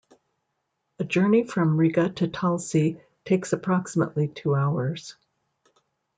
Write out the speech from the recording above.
A journey from Riga to Talsi takes approximately two hours.